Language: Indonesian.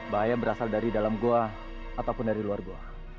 bahaya berasal dari dalam goa ataupun dari luar goa